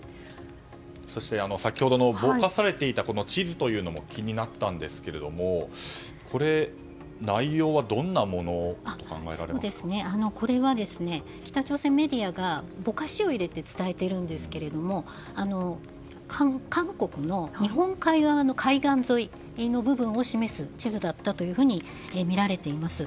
そして、先ほどのぼかされていた地図というのも気になったんですけれども内容はどんなものとこれは北朝鮮メディアがぼかしを入れて伝えているんですけども韓国の日本海側の海岸沿いの部分を示す地図だったとみられています。